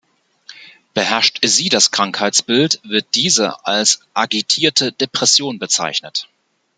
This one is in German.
Beherrscht sie das Krankheitsbild, wird diese als agitierte Depression bezeichnet.